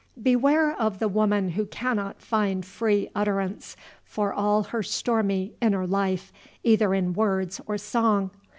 Beware of the woman who cannot find free utterance for all her stormy inner life either in words or song!